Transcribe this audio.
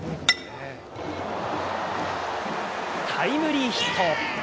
タイムリーヒット。